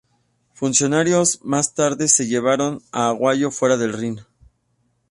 Funcionarios más tarde se llevaron a Aguayo fuera del ring.